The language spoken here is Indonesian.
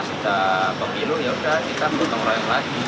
sudah pemilu yaudah kita potong rayu lagi